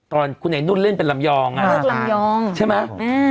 ตอนคุณไหนนู้นเล่นเป็นลำยองนะครับใช่ไหมอืม